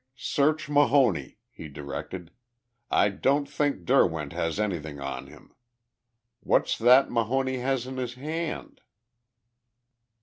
"Search Mahoney," he directed. "I don't think Derwent has anything on him. What's that Mahoney has in his hand?"